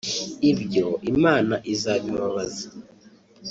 ibyo Imana izabibabaza